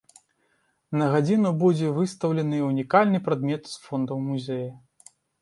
На гадзіну будзе выстаўлены ўнікальны прадмет з фондаў музея.